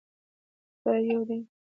خدای يو دی